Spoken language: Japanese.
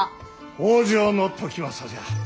北条時政じゃ。